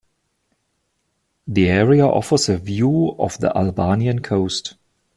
The area offers a view of the Albanian coast.